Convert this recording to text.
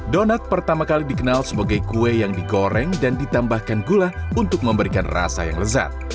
donat pertama kali dikenal sebagai kue yang digoreng dan ditambahkan gula untuk memberikan rasa yang lezat